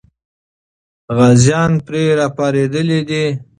غازیان یې پرې راپارېدلي دي.